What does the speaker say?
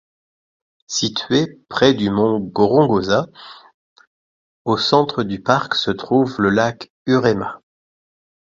Situé près du mont Gorongosa, au centre du parc se trouve le lac Urema.